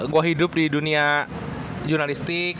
gue hidup di dunia jurnalistik